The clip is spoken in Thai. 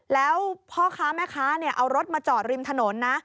แล้วพ่อค้าแม่ค้าเอารถมาจอดริมถนนนะ